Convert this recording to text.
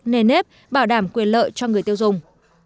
nền nếp bảo đảm quyền lợi cho người tiêu dùng